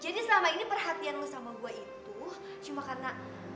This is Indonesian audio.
jadi selama ini perhatian lo sama gue itu cuma karena